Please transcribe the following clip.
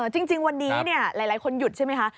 จริงวันนี้หลายคนหยุดใช่ไหมคะ